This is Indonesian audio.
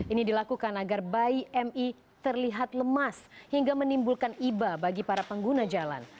ini dilakukan agar bayi mi terlihat lemas hingga menimbulkan iba bagi para pengguna jalan